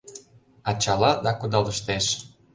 Ачала да кудалыштеш.